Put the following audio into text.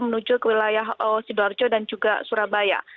menuju ke wilayah sidoarjo dan juga surabaya